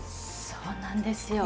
そうなんですよ。